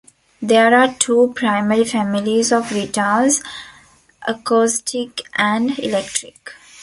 There are two primary families of guitars: acoustic and electric.